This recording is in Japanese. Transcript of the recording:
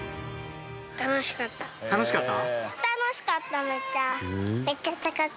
楽しかった？